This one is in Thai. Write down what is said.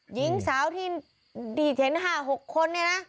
หญิงสาวที่เห็น๕๖คนเนี่ยนะ